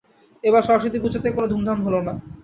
এবার সরস্বতী পুজোতে কোনো ধুমধাম হল না।